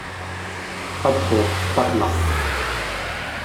不破不立